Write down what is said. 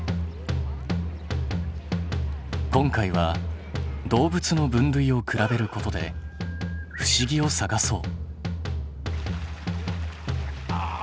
今回は「動物の分類」を比べることで不思議を探そう！